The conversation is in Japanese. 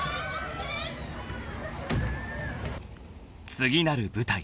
［次なる舞台